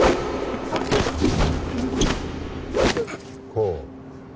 こう。